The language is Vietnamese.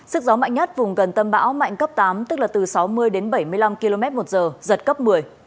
sức gió mạnh nhất vùng gần tâm bão mạnh cấp tám tức là từ sáu mươi đến bảy mươi năm km một giờ giật cấp một mươi